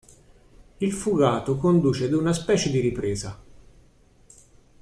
Il fugato conduce ad una specie di ripresa.